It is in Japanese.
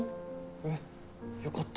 えっよかった。